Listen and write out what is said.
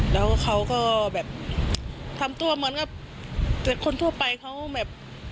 แล้วเขาก็แบบทำตัวเหมือนกับแต่คนทั่วไปเขาแบบ